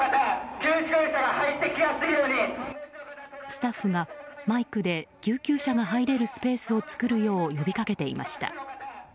スタッフが、マイクで救急車が入れるスペースを作るよう呼びかけていました。